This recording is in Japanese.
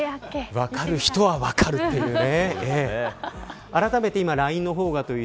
分かる人は分かるっていうね。